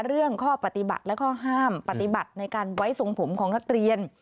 เรื่องข้อปฏิบัติและข้อห้ามปฏิบัติในการไว้ทรงผมของนักเรียน